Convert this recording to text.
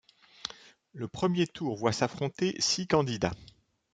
Le premier tour voit s'affronter six candidats.